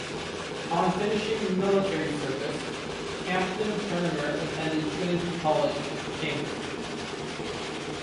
On finishing military service, Hampden-Turner attended Trinity College, Cambridge.